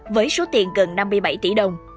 với số tiền gần năm mươi bảy tỷ đồng